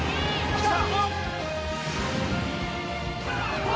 きた！